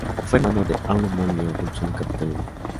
Fue hermano de Aulo Manlio Vulsón Capitolino.